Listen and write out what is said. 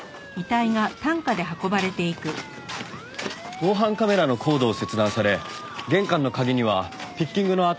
防犯カメラのコードを切断され玄関の鍵にはピッキングの跡がありました。